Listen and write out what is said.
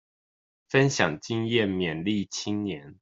分享經驗勉勵青年